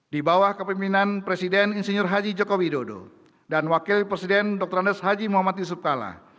di bawah kepemimpinan presiden insinyur haji joko widodo dan wakil presiden dr andes haji muhammad yusuf kalla